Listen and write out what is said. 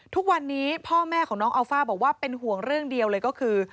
ทุกวันนี้พ่อแม่ของน้องอัลฟ่าบอกว่าเป็นห่วงเรื่องเดียวเลยก็คือ